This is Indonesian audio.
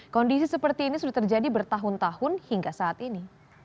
kondisi seperti ini sudah terjadi bertahun tahun hingga saat ini